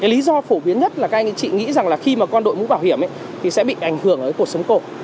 lý do phổ biến nhất là các anh chị nghĩ rằng là khi mà con đội mũ bảo hiểm thì sẽ bị ảnh hưởng đến cuộc sống cổ